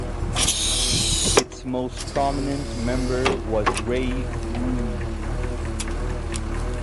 Its most prominent member was Ray Groom.